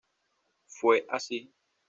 Fue así.